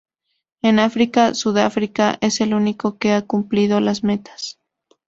En África, Sudáfrica es el único que ha cumplido las metas.